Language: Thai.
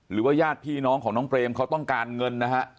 ญาติพี่น้องของน้องเปรมเขาต้องการเงินนะฮะ